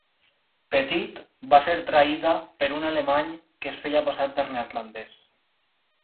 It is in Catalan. Petit va ser traïda per un alemany que es feia passar per neerlandès.